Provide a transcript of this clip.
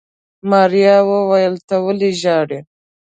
ماريا وويل ته ولې ژاړې.